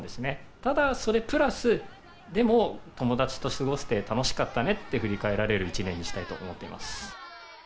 ただ、それプラス、でも友達と過ごせて楽しかったねって、振り返られる一年にしたいと思っています。